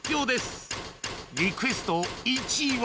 リクエスト１位は